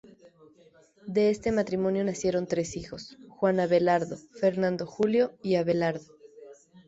De este matrimonio nacieron tres hijos: Juan Abelardo, Fernando Julio y Abelardo.